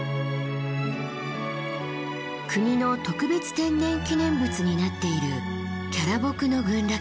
国の特別天然記念物になっているキャラボクの群落。